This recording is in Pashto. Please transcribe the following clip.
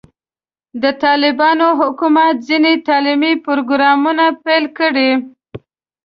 د طالبانو حکومت ځینې تعلیمي پروګرامونه پیل کړي.